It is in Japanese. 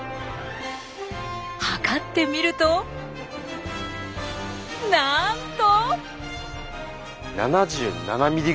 測ってみるとなんと！